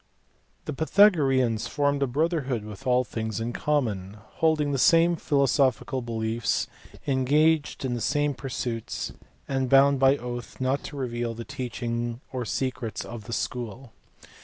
The Pythagoreans formed a brotherhood with all things in common, holding the same philosophical beliefs, engaged in the same pursuits, and bound by oath not to reveal the teaching or secrets of the school.